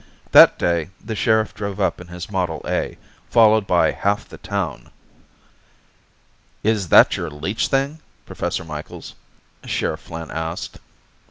That day the sheriff drove up in his model A, followed by half the town. "Is that your leech thing, Professor Micheals?" Sheriff Flynn asked.